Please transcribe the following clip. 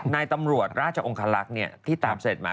นายตำรวจราชองคลักษณ์ที่ตามเสด็จมา